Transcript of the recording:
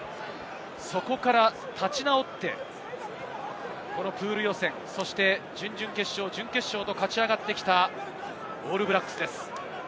そこから立ち直って、プール予選、そして準々決勝、準決勝と勝ち上がってきたオールブラックスです。